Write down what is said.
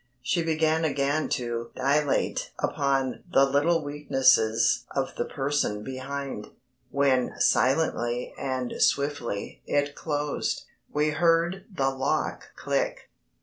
She began again to dilate upon the little weaknesses of the person behind, when silently and swiftly it closed. We heard the lock click.